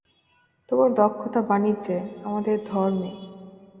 তোমাদের দক্ষতা বাণিজ্যে, আমাদের ধর্মে।